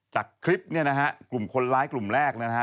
จากคลิปเนี่ยนะฮะกลุ่มคนร้ายกลุ่มแรกนะฮะ